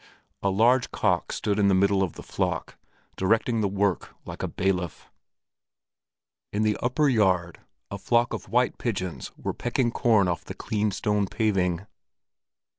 A large cock stood in the middle of the flock, directing the work like a bailiff. In the upper yard a flock of white pigeons were pecking corn off the clean stone paving.